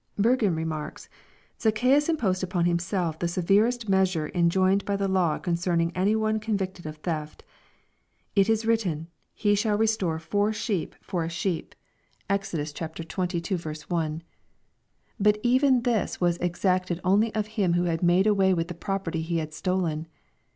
^''' Burgon remarks, '* Zacchaeus imposed upon himself the severest measure enjoined by the law concerning any one conv'cted of theft. *It is written, he shall lestore four sheep for a sheeu LUKE, CHAP. XIX. 297 (Exod. xxii. 1 ;) but even this was exacted only of him who had made away with the property he had stolen.